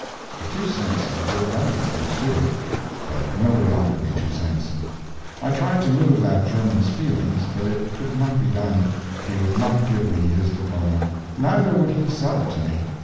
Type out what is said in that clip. For two cents I would have done these things, too; but nobody offered me two cents. I tried to move that German's feelings, but it could not be done; he would not give me his diploma, neither would he sell it to me.